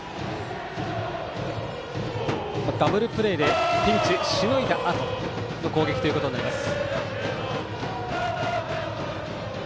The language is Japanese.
ダブルプレーでピンチをしのいだあとの攻撃ということになります。